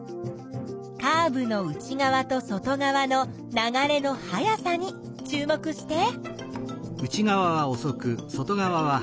カーブの内側と外側の流れの速さに注目して。